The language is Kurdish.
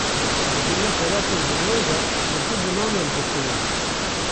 Di gelek welatên dinyayê de, bi du zimanan dixwînin